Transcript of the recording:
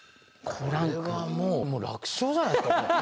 これはもう楽勝じゃないですかこれ。